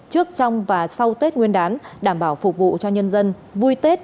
trước trong và sau tết nguyên đán đảm bảo phục vụ cho nhân dân vui tết